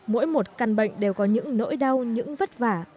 mỗi một căn bệnh đều có những nỗi đau những vất vả